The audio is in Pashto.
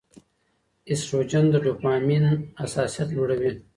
ایسټروجن د ډوپامین حساسیت لوړوي.